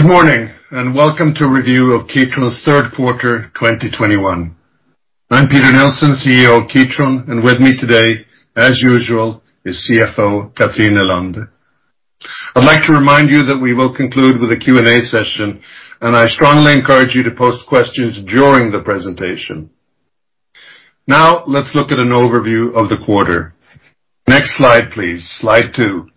Good morning, and welcome to a review of Kitron's third quarter 2021. I'm Peter Nilsson, CEO of Kitron, and with me today, as usual, is CFO Cathrin Nylander. I'd like to remind you that we will conclude with a Q&A session, and I strongly encourage you to post questions during the presentation. Let's look at an overview of the quarter. Next slide, please. Slide 2.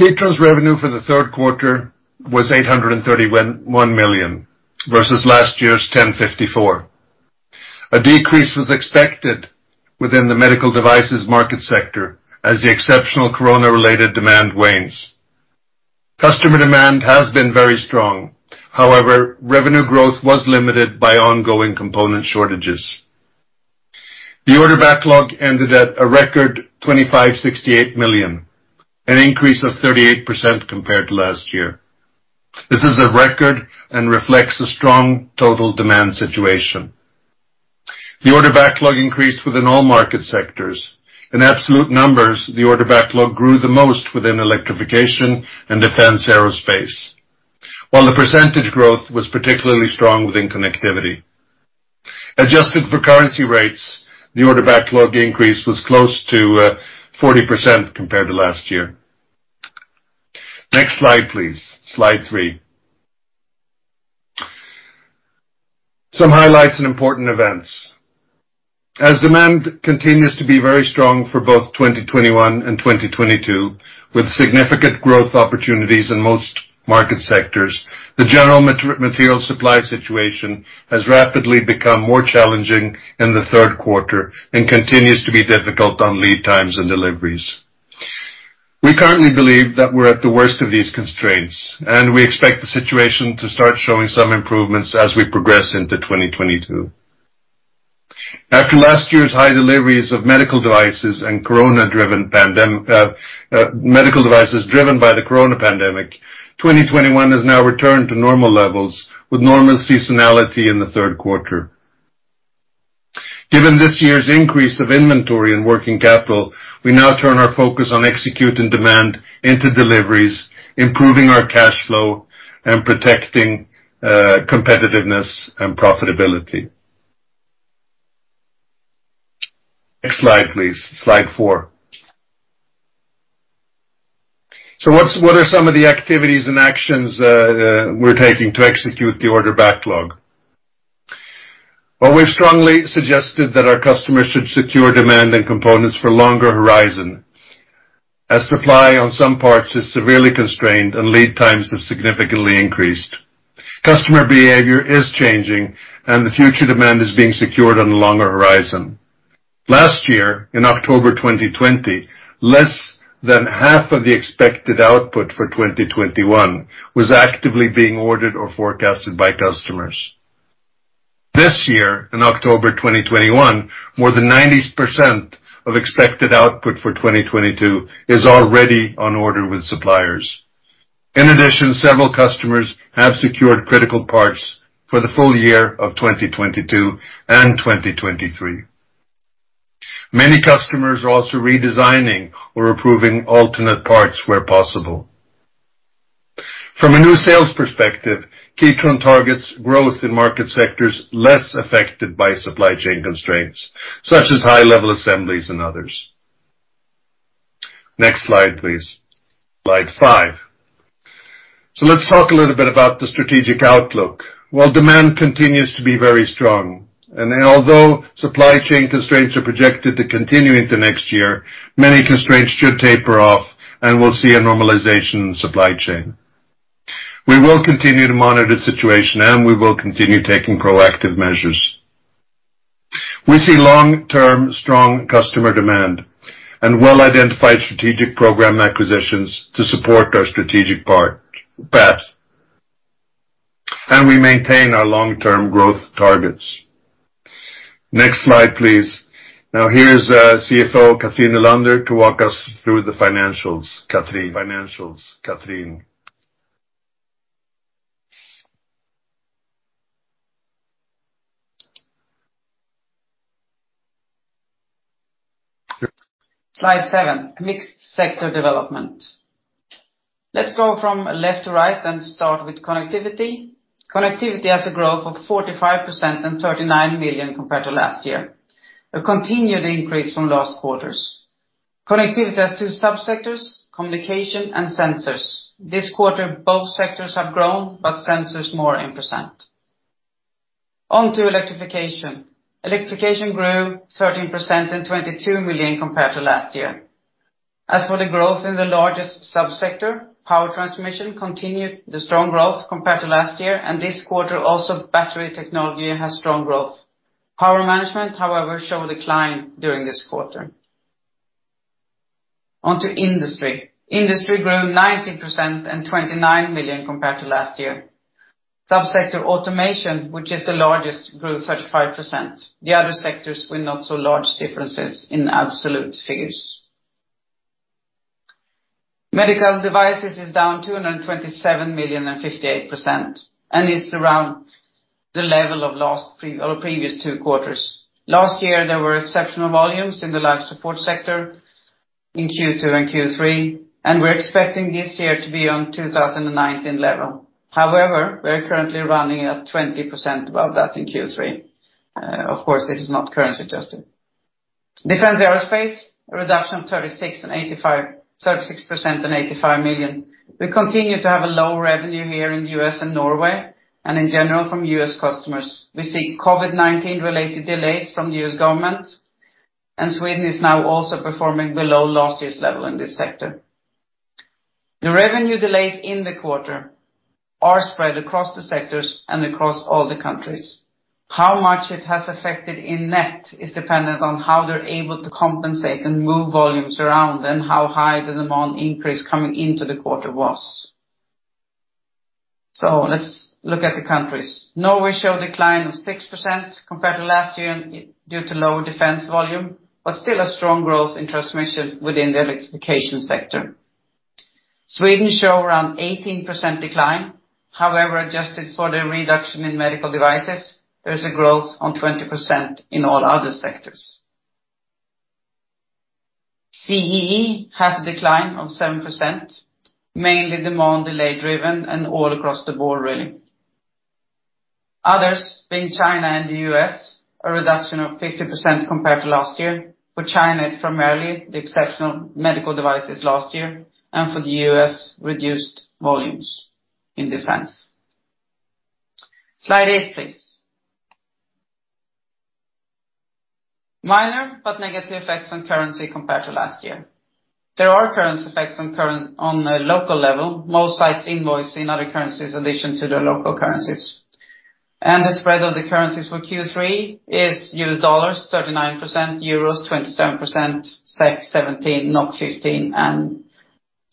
Kitron's revenue for the third quarter was 831 million versus last year's 1,054. A decrease was expected within the Medical Devices market sector, as the exceptional Corona related demand wanes. Customer demand has been very strong. However, revenue growth was limited by ongoing component shortages. The order backlog ended at a record 2,568 million, an increase of 38% compared to last year. This is a record and reflects the strong total demand situation. The order backlog increased within all market sectors. In absolute numbers, the order backlog grew the most within Electrification and Defence/Aerospace. While the percentage growth was particularly strong within Connectivity. Adjusted for currency rates, the order backlog increase was close to 40% compared to last year. Next slide, please. Slide 3. Some highlights and important events. As demand continues to be very strong for both 2021 and 2022, with significant growth opportunities in most market sectors, the general material supply situation has rapidly become more challenging in the third quarter and continues to be difficult on lead times and deliveries. We currently believe that we're at the worst of these constraints, and we expect the situation to start showing some improvements as we progress into 2022. After last year's high deliveries of Medical Devices driven by the Corona pandemic, 2021 has now returned to normal levels with normal seasonality in the third quarter. Given this year's increase of inventory and working capital, we now turn our focus on executing demand into deliveries, improving our cash flow, and protecting competitiveness and profitability. Next slide, please. Slide 4. What are some of the activities and actions we're taking to execute the order backlog? Well, we've strongly suggested that our customers should secure demand and components for longer horizon, as supply on some parts is severely constrained and lead times have significantly increased. Customer behavior is changing, and the future demand is being secured on a longer horizon. Last year, in October 2020, less than half of the expected output for 2021 was actively being ordered or forecasted by customers. This year, in October 2021, more than 90% of expected output for 2022 is already on order with suppliers. In addition, several customers have secured critical parts for the full year of 2022 and 2023. Many customers are also redesigning or approving alternate parts where possible. From a new sales perspective, Kitron targets growth in market sectors less affected by supply chain constraints, such as high level assemblies and others. Next slide, please. Slide 5. Let's talk a little bit about the strategic outlook. While demand continues to be very strong, and although supply chain constraints are projected to continue into next year, many constraints should taper off, and we'll see a normalization in supply chain. We will continue to monitor the situation, and we will continue taking proactive measures. We see long-term strong customer demand and well-identified strategic program acquisitions to support our strategic path. We maintain our long-term growth targets. Next slide, please. Now, here's CFO Cathrin Nylander to walk us through the financials. Cathrin. Slide 7, mixed sector development. Let's go from left to right and start with Connectivity. Connectivity has a growth of 45% and 39 million compared to last year, a continued increase from last quarters. Connectivity has two sub-sectors, communication and sensors. This quarter, both sectors have grown, but sensors more in %. On to Electrification. Electrification grew 13% and NOK 22 million compared to last year. As for the growth in the largest sub-sector, power transmission continued the strong growth compared to last year, and this quarter also, battery technology has strong growth. Power management, however, show a decline during this quarter. On to Industry. Industry grew 19% and 29 million compared to last year. Sub-sector automation, which is the largest, grew 35%. The other sectors were not so large differences in absolute figures. Medical Devices is down 227 million and 58%, and is around the level of previous two quarters. Last year, there were exceptional volumes in the life support sector in Q2 and Q3, and we're expecting this year to be on 2019 level. We are currently running at 20% above that in Q3. Of course, this is not currency adjusted. Defence/Aerospace, a reduction of 36% and 85 million. We continue to have a low revenue here in the U.S. and Norway, and in general from U.S. customers. We see COVID-19 related delays from U.S. government, and Sweden is now also performing below last year's level in this sector. The revenue delays in the quarter are spread across the sectors and across all the countries. How much it has affected in net is dependent on how they're able to compensate and move volumes around, and how high the demand increase coming into the quarter was. Let's look at the countries. Norway showed a decline of 6% compared to last year due to lower Defence volume, but still a strong growth in transmission within the Electrification sector. Sweden show around 18% decline. Adjusted for the reduction in Medical Devices, there is a growth on 20% in all other sectors. CEE has a decline of 7%, mainly demand delay driven and all across the board really. Others, being China and the U.S., a reduction of 50% compared to last year. For China, it's primarily the exceptional Medical Devices last year, and for the U.S., reduced volumes in Defence. Slide 8, please. Minor but negative effects on currency compared to last year. There are currency effects on a local level. Most sites invoice in other currencies in addition to their local currencies. The spread of the currencies for Q3 is USD 39%, EUR 27%, 17, 15, and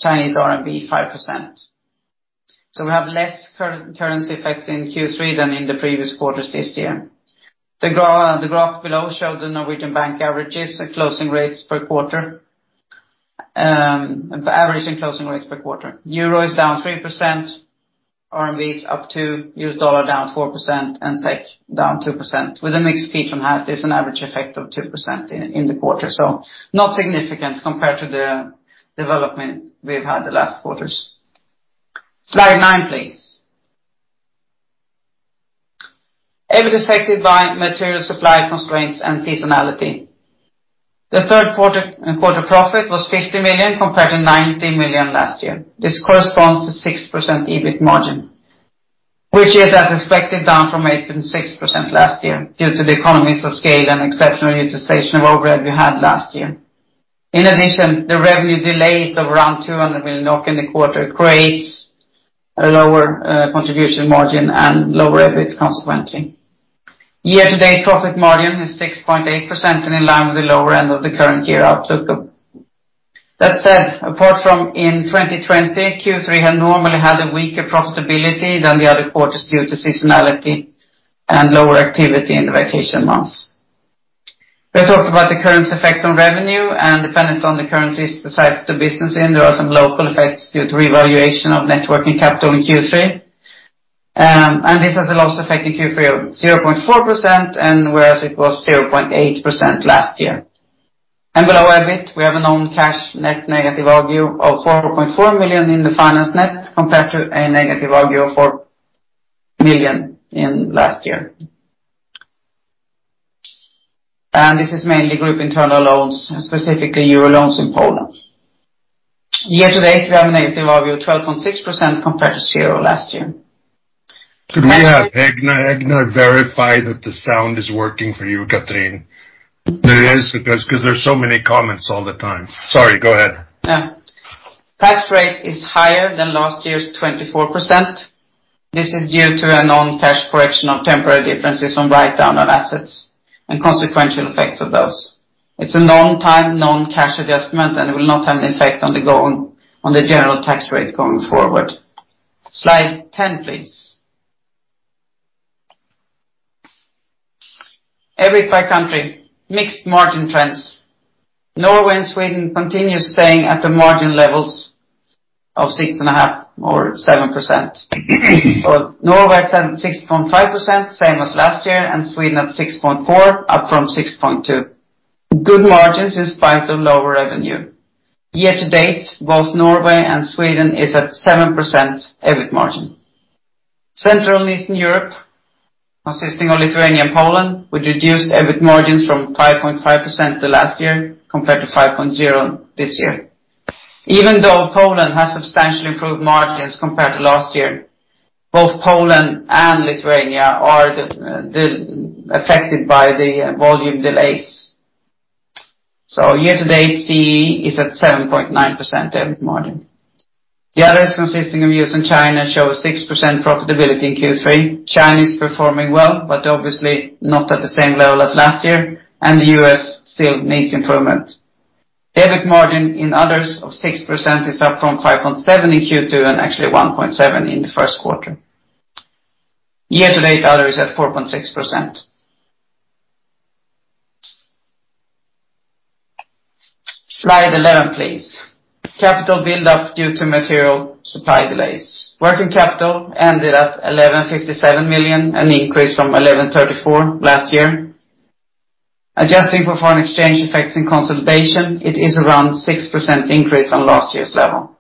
CNY 5%. We have less currency effect in Q3 than in the previous quarters this year. The graph below show the Norwegian bank averages at closing rates per quarter, average and closing rates per quarter. EUR is down 3%, RMB is up to, USD down 4%, and SEK down 2%. With a mixed [feed from head], there's an average effect of 2% in the quarter. Not significant compared to the development we've had the last quarters. Slide 9, please. EBIT affected by material supply constraints and seasonality. The third quarter profit was 50 million compared to 90 million last year. This corresponds to 6% EBIT margin, which is as expected down from 8.6% last year due to the economies of scale and exceptional utilization of overall revenue we had last year. In addition, the revenue delays of around 200 million NOK in the quarter creates a lower contribution margin and lower EBIT consequently. Year-to-date profit margin is 6.8% and in line with the lower end of the current year outlook. That said, apart from in 2020, Q3 had normally had a weaker profitability than the other quarters due to seasonality and lower activity in the vacation months. We have talked about the currency effects on revenue and dependent on the currencies the sites do business in, there are some local effects due to revaluation of net working capital in Q3, and this has a loss effect in Q3 of 0.4%, and whereas it was 0.8% last year. Below EBIT, we have a non-cash net negative value of 4.4 million in the finance net compared to a negative value of 4 million in last year. This is mainly group internal loans, specifically euro loans in Poland. Year-to-date, we have a negative value of 12.6% compared to zero last year. Could we have Egil Dahl verify that the sound is working for you, Cathrin Nylander? It is because there's so many comments all the time. Sorry, go ahead. Yeah. Tax rate is higher than last year's 24%. This is due to a non-cash correction of temporary differences on write-down of assets and consequential effects of those. It's a non-time, non-cash adjustment and it will not have an effect on the general tax rate going forward. Slide 10, please. EBIT by country, mixed margin trends. Norway and Sweden continue staying at the margin levels of 6.5% or 7%. Norway at 6.5%, same as last year, and Sweden at 6.4%, up from 6.2%. Good margins in spite of lower revenue. Year to date, both Norway and Sweden is at 7% EBIT margin. Central and Eastern Europe, consisting of Lithuania and Poland, we reduced EBIT margins from 5.5% the last year compared to 5.0% this year. Even though Poland has substantially improved margins compared to last year, both Poland and Lithuania are affected by the volume delays. Year to date, CEE is at 7.9% EBIT margin. The others, consisting of U.S. and China, show 6% profitability in Q3. China is performing well, obviously not at the same level as last year, the U.S. still needs improvement. EBIT margin in others of 6% is up from 5.7 in Q2 and actually 1.7 in the first quarter. Year to date, others at 4.6%. Slide 11, please. Capital build up due to material supply delays. Working capital ended at 1,157 million, an increase from 1,134 last year. Adjusting for foreign exchange effects and consolidation, it is around 6% increase on last year's level.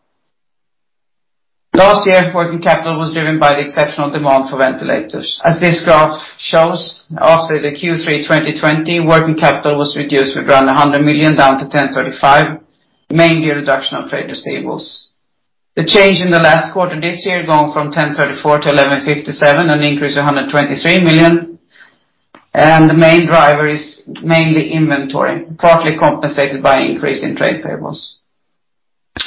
Last year, working capital was driven by the exceptional demand for ventilators. As this graph shows, after the Q3 2020, working capital was reduced with around 100 million, down to 1,035, mainly a reduction of trade receivables. The change in the last quarter this year going from 1,034 to 1,157, an increase of 123 million, the main driver is mainly inventory, partly compensated by an increase in trade payables.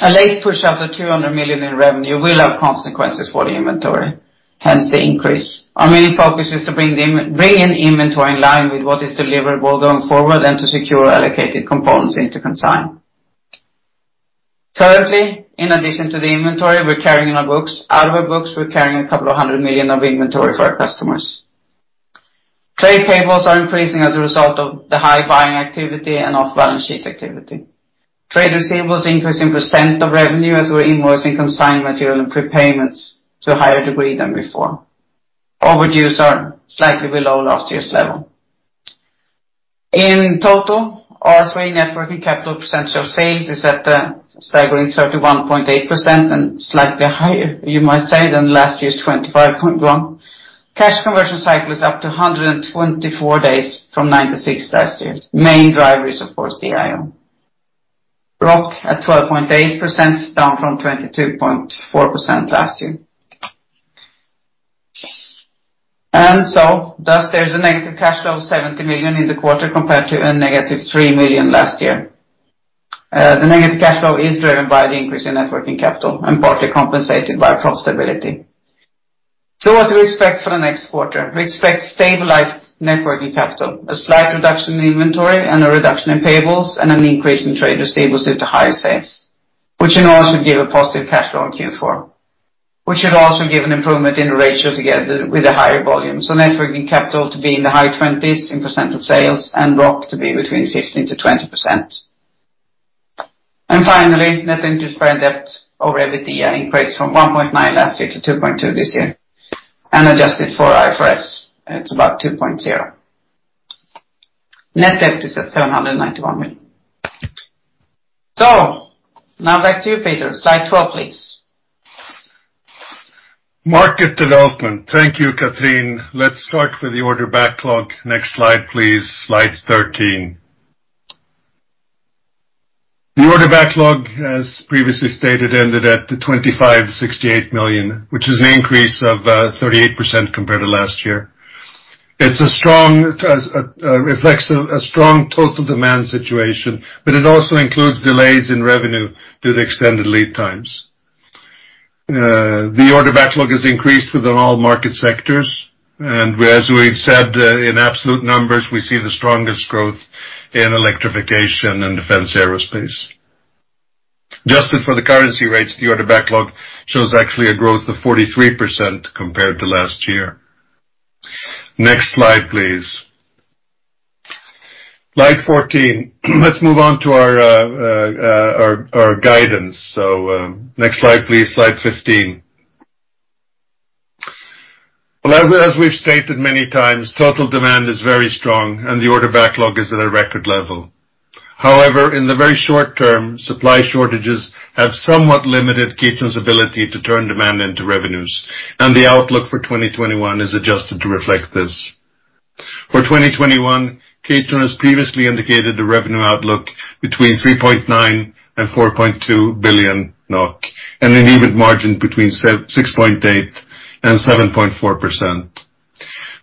A late push of the 200 million in revenue will have consequences for the inventory, hence the increase. Our main focus is to bring in inventory in line with what is deliverable going forward and to secure allocated components into consignment. Currently, in addition to the inventory, out of our books, we're carrying 200 million of inventory for our customers. Trade payables are increasing as a result of the high buying activity and off-balance-sheet activity. Trade receivables increase in percent of revenue as we're invoicing consigned material and prepayments to a higher degree than before. Overdue are slightly below last year's level. In total, our three net working capital percentage of sales is at a staggering 31.8% and slightly higher, you might say, than last year's 25.1%. Cash conversion cycle is up to 124 days from 96 last year. Main driver is, of course, [DIO]. ROC at 12.8%, down from 22.4% last year. Thus, there's a negative cash flow of 70 million in the quarter compared to a negative 3 million last year. The negative cash flow is driven by the increase in net working capital and partly compensated by profitability. What do we expect for the next quarter? We expect stabilized net working capital, a slight reduction in inventory and a reduction in payables, and an increase in trade receivables due to higher sales, which in all should give a positive cash flow in Q4. We should also give an improvement in the ratio together with the higher volume. Net working capital to be in the high 20s in percent of sales and ROC to be between 15%-20%. Finally, net interest-bearing debt over EBITDA increased from 1.9 last year to 2.2 this year. Adjusted for IFRS, it's about 2.0. Net debt is at 791 million. Now back to you, Peter. Slide 12, please. Market development. Thank you, Cathrin. Let's start with the order backlog. Next slide, please. Slide 13. The order backlog, as previously stated, ended at 2,568 million, which is an increase of 38% compared to last year. It reflects a strong total demand situation, but it also includes delays in revenue due to extended lead times. The order backlog has increased within all market sectors, and as we've said in absolute numbers, we see the strongest growth in Electrification and Defence/Aerospace. Adjusted for the currency rates, the order backlog shows actually a growth of 43% compared to last year. Next slide, please. Slide 14. Let's move on to our guidance. Next slide, please. Slide 15. Well, as we've stated many times, total demand is very strong and the order backlog is at a record level. However, in the very short term, supply shortages have somewhat limited Kitron's ability to turn demand into revenues, and the outlook for 2021 is adjusted to reflect this. For 2021, Kitron has previously indicated a revenue outlook between 3.9 billion and 4.2 billion NOK and an EBIT margin between 6.8% and 7.4%.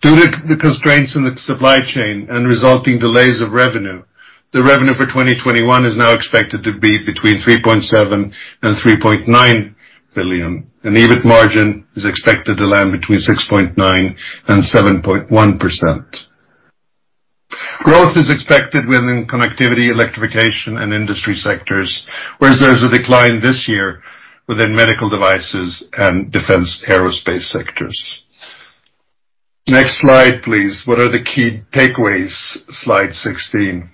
Due to the constraints in the supply chain and resulting delays of revenue, the revenue for 2021 is now expected to be between 3.7 billion and 3.9 billion, and EBIT margin is expected to land between 6.9% and 7.1%. Growth is expected within Connectivity, Electrification, and Industry sectors, whereas there's a decline this year within Medical Devices and Defence/Aerospace sectors. Next slide, please. What are the key takeaways? Slide 16.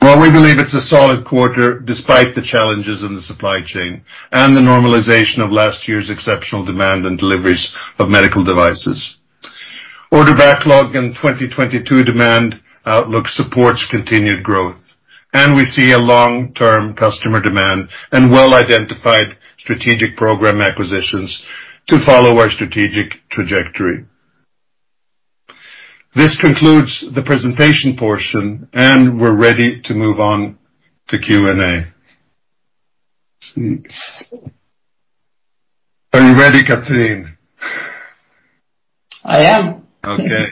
Well, we believe it's a solid quarter despite the challenges in the supply chain and the normalization of last year's exceptional demand and deliveries of Medical Devices. Order backlog and 2022 demand outlook supports continued growth, and we see a long-term customer demand and well-identified strategic program acquisitions to follow our strategic trajectory. This concludes the presentation portion, and we're ready to move on to Q&A. Are you ready, Cathrin Nylander? I am. Okay.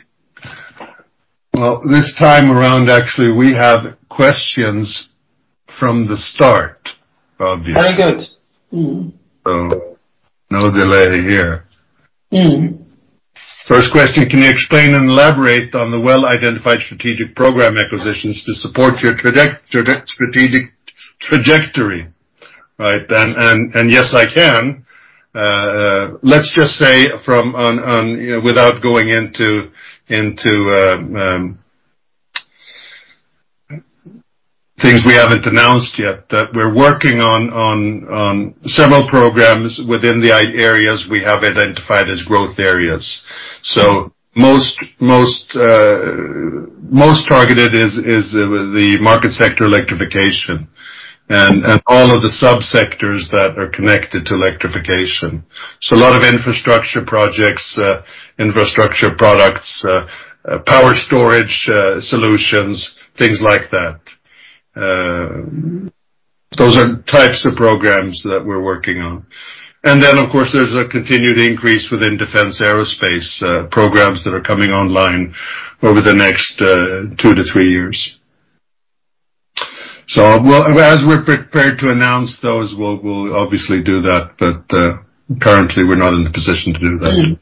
Well, this time around, actually, we have questions from the start, obviously. Very good. No delay here. First question, can you explain and elaborate on the well-identified strategic program acquisitions to support your strategic trajectory? Right. Yes, I can. Let's just say, without going into things we haven't announced yet, that we're working on several programs within the areas we have identified as growth areas. Most targeted is the market sector Electrification, and all of the sub-sectors that are connected to Electrification. A lot of infrastructure projects, infrastructure products, power storage solutions, things like that. Those are types of programs that we're working on. Of course, there's a continued increase within Defence/Aerospace programs that are coming online over the next two to three years. As we're prepared to announce those, we'll obviously do that, but currently we're not in the position to do that.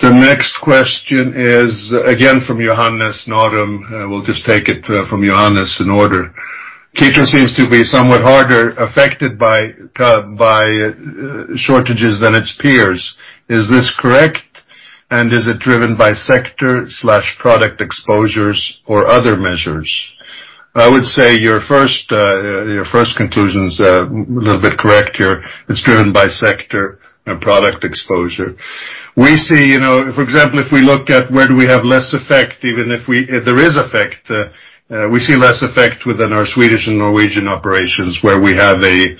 The next question is again from Johannes Nordheim. We'll just take it from Johannes in order. Kitron seems to be somewhat harder affected by shortages than its peers. Is this correct? Is it driven by sector/product exposures or other measures? I would say your first conclusion is a little bit correct here. It's driven by sector and product exposure. For example, if we look at where do we have less effect, even if there is effect, we see less effect within our Swedish and Norwegian operations, where we have a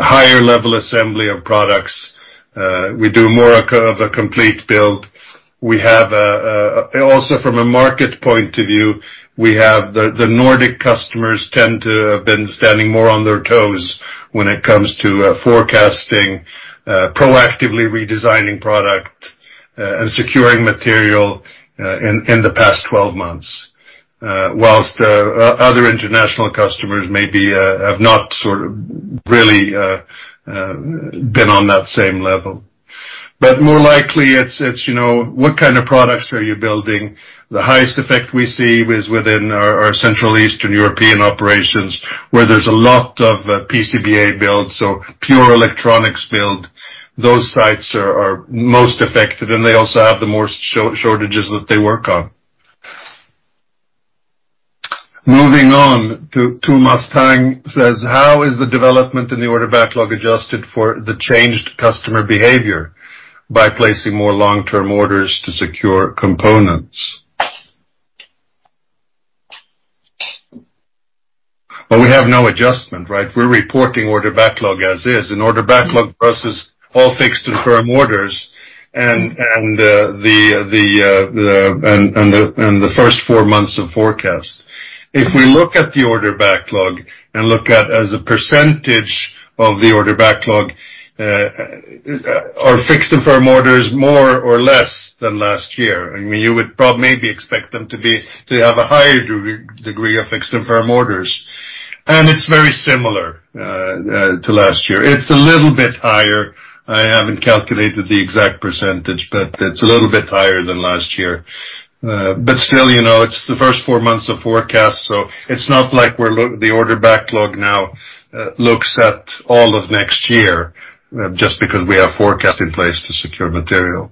higher level assembly of products. We do more of a complete build. Also from a market point of view, the Nordic customers tend to have been standing more on their toes when it comes to forecasting, proactively redesigning product, and securing material in the past 12 months, whilst other international customers maybe have not really been on that same level. More likely it's what kind of products are you building. The highest effect we see is within our central Eastern European operations, where there's a lot of PCBA build. Pure electronics build, those sites are most affected, and they also have the most shortages that they work on. Moving on, Tomas Tang says, "How is the development in the order backlog adjusted for the changed customer behavior by placing more long-term orders to secure components?" Well, we have no adjustment, right? We're reporting order backlog as is, and order backlog for us is all fixed firm orders and the first four months of forecast. If we look at the order backlog and look at as a percentage of the order backlog, our fixed firm order is more or less than last year. You would maybe expect them to have a higher degree of fixed firm orders. It's very similar to last year. It's a little bit higher. I haven't calculated the exact percentage, it's a little bit higher than last year. Still, it's the first four months of forecast, so it's not like the order backlog now looks at all of next year just because we have forecast in place to secure material.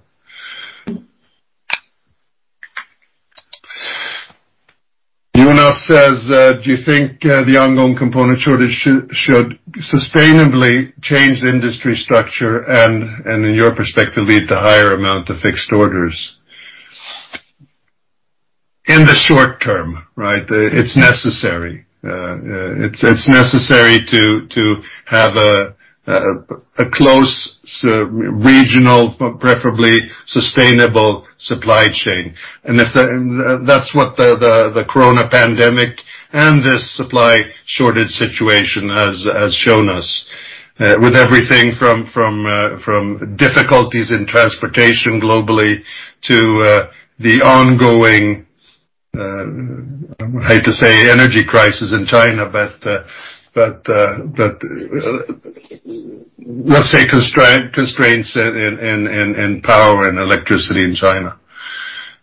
Jonas says, "Do you think the ongoing component shortage should sustainably change the industry structure and, in your perspective, lead to higher amount of fixed orders?" In the short term, right, it's necessary. It's necessary to have a close regional, preferably sustainable supply chain. That's what the COVID pandemic and this supply shortage situation has shown us. With everything from difficulties in transportation globally to the ongoing, I hate to say energy crisis in China, but let's say constraints in power and electricity in China.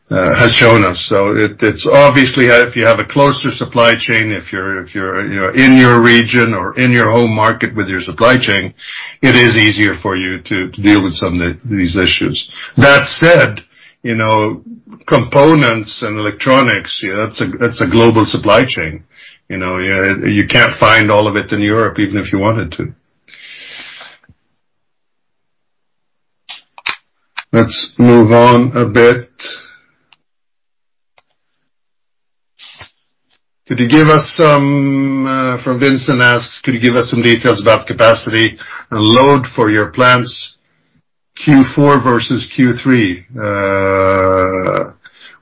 It's obviously if you have a closer supply chain, if you're in your region or in your home market with your supply chain, it is easier for you to deal with some of these issues. That said, components and electronics, that's a global supply chain. You can't find all of it in Europe even if you wanted to. Let's move on a bit. From Vincent asks, "Could you give us some details about capacity and load for your plants Q4 versus Q3?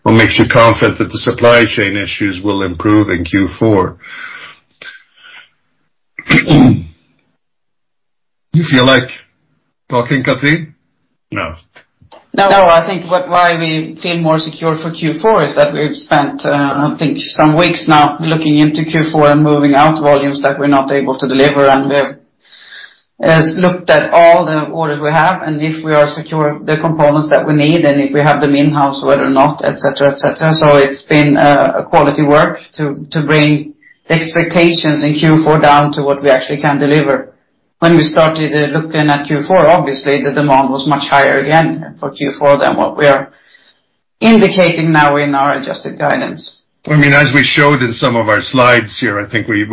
What makes you confident that the supply chain issues will improve in Q4?" Do you feel like talking, Cathrin? No, I think why we feel more secure for Q4 is that we've spent, I think, some weeks now looking into Q4 and moving out volumes that we're not able to deliver. We have looked at all the orders we have, if we are secure the components that we need, if we have them in-house whether or not, et cetera. It's been a quality work to bring the expectations in Q4 down to what we actually can deliver. When we started looking at Q4, obviously, the demand was much higher again for Q4 than what we are indicating now in our adjusted guidance. As we showed in some of our slides here, I think we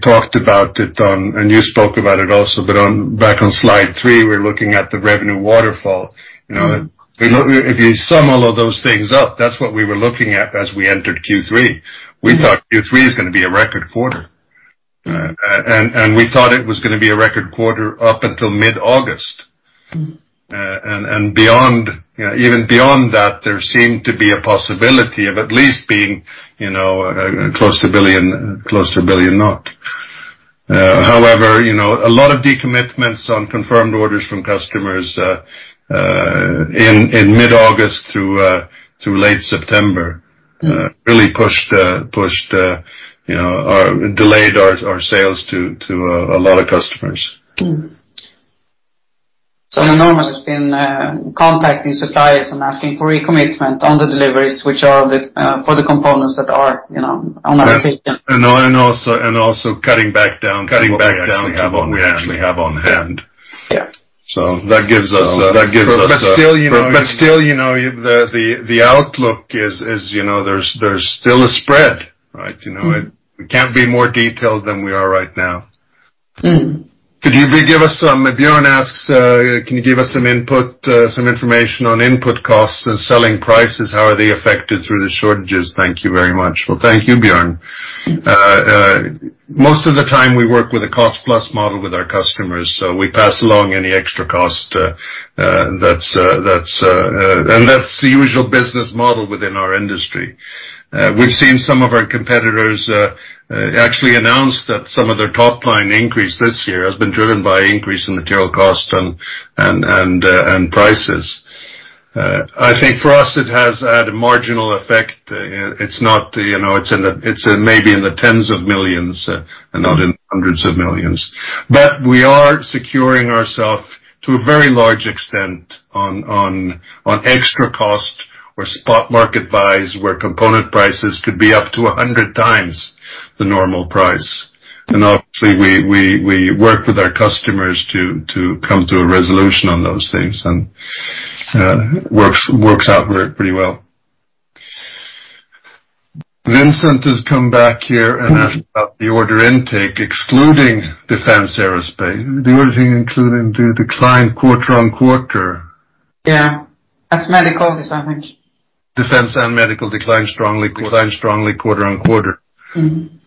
talked about it on, and you spoke about it also, but back on Slide 3, we're looking at the revenue waterfall. If you sum all of those things up, that's what we were looking at as we entered Q3. We thought Q3 is going to be a record quarter. We thought it was going to be a record quarter up until mid-August. Even beyond that, there seemed to be a possibility of at least being close to a billion NOK. However, a lot of decommitments on confirmed orders from customers in mid-August through late September. Really pushed or delayed our sales to a lot of customers. Mm-hmm. Kitron has been contacting suppliers and asking for recommitment on the deliveries, which are for the components that are on our Also cutting back down to what we actually have on hand. Yeah. Still, the outlook is there's still a spread, right? We can't be more detailed than we are right now. Could you give us some, if Bjørn asks, can you give us some input, some information on input costs and selling prices, how are they affected through the shortages? Thank you very much. Well, thank you, Bjørn. Most of the time we work with a cost-plus model with our customers, so we pass along any extra cost, and that's the usual business model within our industry. We've seen some of our competitors actually announce that some of their top-line increase this year has been driven by increase in material cost and prices. I think for us it has had a marginal effect. It's maybe in the tens of millions and not in hundreds of millions. We are securing ourself to a very large extent on extra cost or spot market buys, where component prices could be up to 100 times the normal price. Obviously we work with our customers to come to a resolution on those things and works out pretty well. Vincent has come back here and asked about the order intake excluding Defence/Aerospace. The order intake including decline quarter-on-quarter. Yeah. That's medical, is that right? Defense and Medical declined strongly quarter-on-quarter.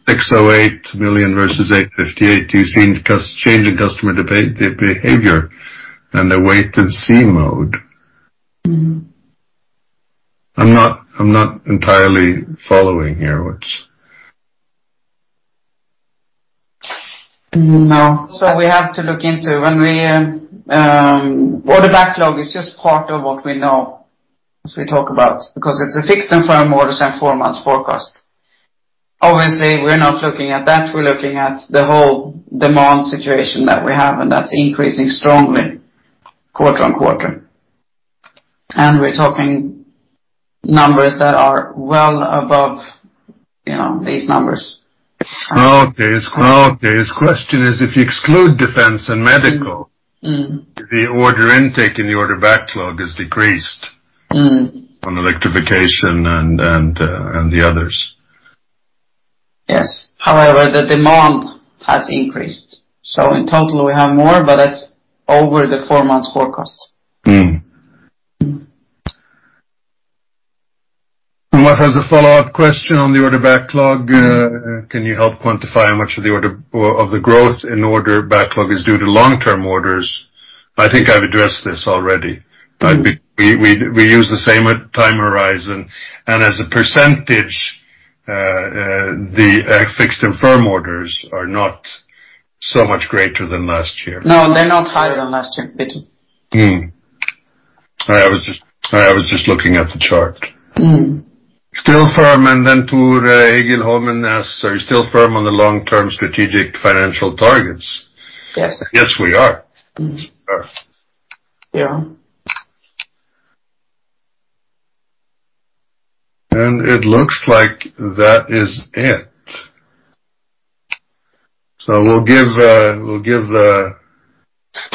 608 million versus NOK 858. Do you see change in customer behavior and the wait and see mode? I'm not entirely following here what's. No. We have to look into. Order backlog is just part of what we know as we talk about, because it's a fixed and firm orders and four months forecast. Obviously, we're not looking at that. We're looking at the whole demand situation that we have, and that's increasing strongly quarter on quarter. We're talking numbers that are well above these numbers. Okay. His question is if you exclude defense and medical. The order intake and the order backlog has decreased on Electrification and the others. Yes. The demand has increased. In total we have more, but that's over the four months forecast. What is the follow-up question on the order backlog, can you help quantify how much of the growth in order backlog is due to long-term orders? I think I've addressed this already. We use the same time horizon, and as a percentage, the fixed and firm orders are not so much greater than last year. No, they're not higher than last year, Peter. I was just looking at the chart. Still firm, Egil Dahl asks, "Are you still firm on the long-term strategic financial targets? Yes. Yes, we are. Mm-hmm. Yeah. It looks like that is it.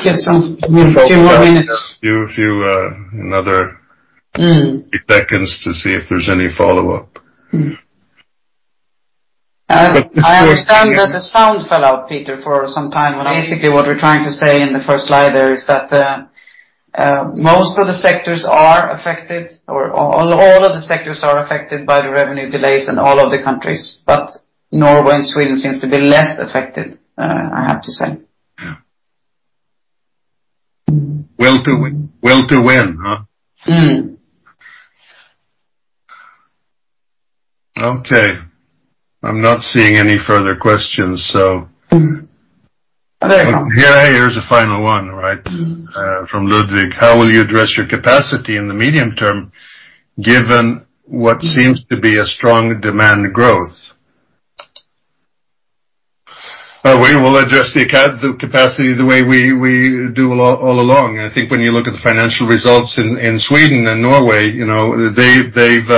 Give some two more minutes. another few seconds to see if there's any follow-up. I understand that the sound fell out, Peter, for some time, but basically what we're trying to say in the first slide there is that most of the sectors are affected, or all of the sectors are affected by the revenue delays in all of the countries. Norway and Sweden seems to be less affected, I have to say. Yeah. Well to win, huh? Okay. I'm not seeing any further questions. There you go. Here's a final one, right? From Ludwig, "How will you address your capacity in the medium term given what seems to be a strong demand growth?" We will address the capacity the way we do all along. I think when you look at the financial results in Sweden and Norway, they've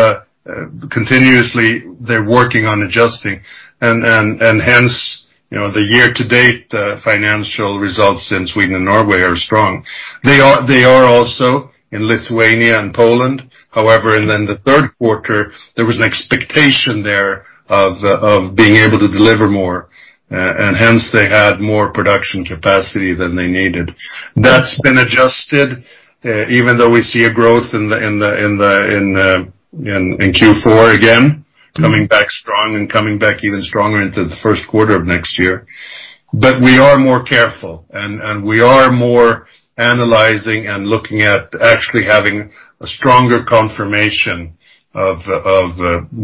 continuously, they're working on adjusting, hence, the year-to-date financial results in Sweden and Norway are strong. They are also in Lithuania and Poland. However, in the third quarter, there was an expectation there of being able to deliver more, hence they had more production capacity than they needed. That's been adjusted, even though we see a growth in Q4 again, coming back strong and coming back even stronger into the first quarter of next year. We are more careful and we are more analyzing and looking at actually having a stronger confirmation of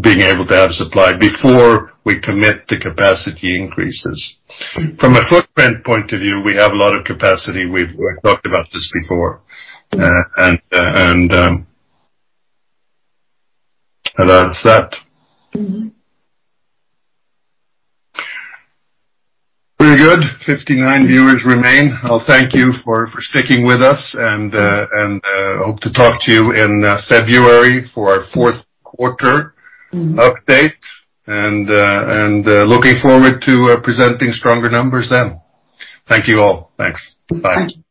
being able to have supply before we commit to capacity increases. From a footprint point of view, we have a lot of capacity. We've talked about this before. That's that. Very good. 59 viewers remain. I'll thank you for sticking with us and hope to talk to you in February for our fourth quarter update and looking forward to presenting stronger numbers then. Thank you all. Thanks. Bye. Bye.